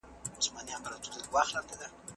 ¬ اوبه خړوي، ماهيان پکښي نيسي .